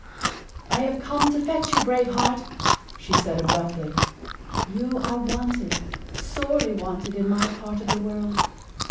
"I have come to fetch you, Brave Heart," she said abruptly. "You are wanted, sorely wanted, in my part of the world.